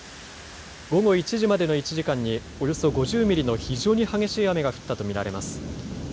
午後１時までの１時間におよそ５０ミリの非常に激しい雨が降ったと見られます。